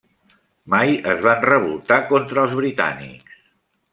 Mai es van revoltar contra els britànics.